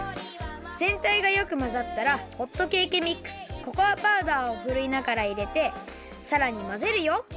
ぜんたいがよくまざったらホットケーキミックスココアパウダーをふるいながらいれてさらにまぜるよ。